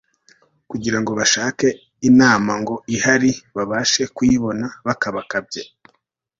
kugira ngo bashake imana, ngo ahari babashe kuyibona bakabakabye